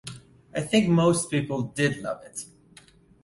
I think most people did love it.